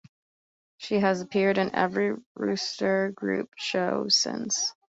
She has appeared in every Wooster Group show since.